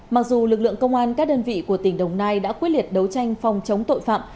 mặc dù lực lượng công an các đơn vị của tỉnh đồng nai đã quyết liệt đấu tranh phòng chống tội phạm